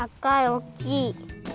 おっきい。